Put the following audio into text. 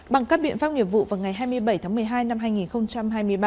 bằng các biện pháp nghiệp vụ vào ngày hai mươi bảy tháng một mươi hai năm hai nghìn hai mươi ba